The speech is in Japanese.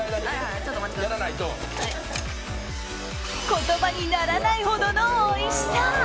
言葉にならないほどのおいしさ。